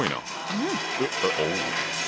うん。